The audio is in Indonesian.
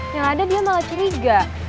yang ada dia malah curiga